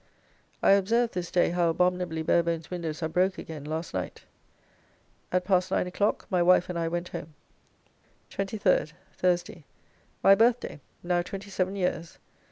I observed this day how abominably Barebone's windows are broke again last night. At past 9 o'clock my wife and I went home. 23rd. Thursday, my birthday, now twenty seven years.